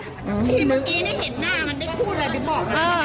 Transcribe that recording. พี่เมื่อกี้นี่เห็นหน้ามันได้พูดอะไรไปบอกมัน